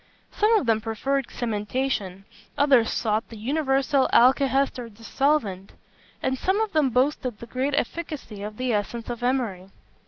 Some of them preferred cementation; others sought the universal alkahest or dissolvent; and some of them boasted the great efficacy of the essence of emery.